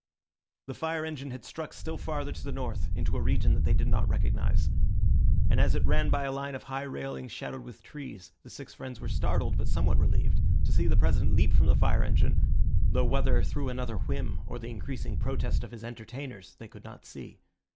The fire engine had struck still farther to the north, into a region that they did not recognise; and as it ran by a line of high railings shadowed with trees, the six friends were startled, but somewhat relieved, to see the President leap from the fire engine, though whether through another whim or the increasing protest of his entertainers they could not see.